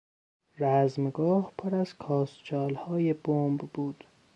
رزمگاه پر از کاسچالهای بمب بود.